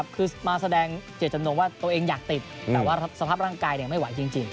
คือมาแสดงเจตจำนงว่าตัวเองอยากติดแต่ว่าสภาพร่างกายไม่ไหวจริง